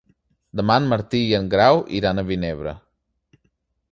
Demà en Martí i en Grau iran a Vinebre.